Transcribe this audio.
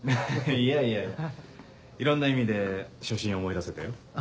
いやいやいろんな意味で初心を思い出せたよ。